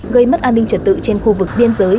gây mất an ninh trật tự trên khu vực biên giới